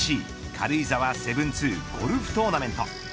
軽井沢７２ゴルフトーナメント。